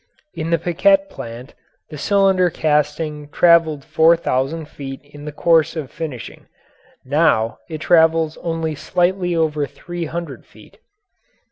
In the Piquette plant the cylinder casting traveled four thousand feet in the course of finishing; now it travels only slightly over three hundred feet.